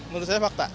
menurut saya fakta